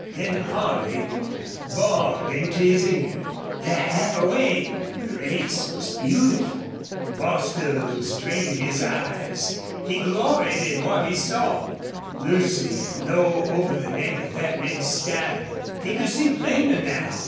Then Holley bawled into his ear, "They're half way!" The race was beautiful. Bostil strained his eyes. He gloried in what he saw Lucy low over the neck of that red stallion. He could see plainer now.